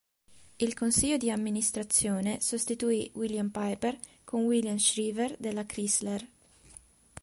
Il consiglio di amministrazione sostituì William Piper con William Shriver della Chrysler.